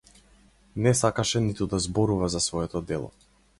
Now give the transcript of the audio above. Не сакаше ниту да зборува за своето дело.